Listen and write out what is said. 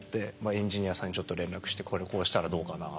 エンジニアさんにちょっと連絡して「これこうしたらどうかなあ」